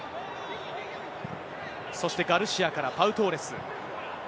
そしてガルシアからパウ・トーレス。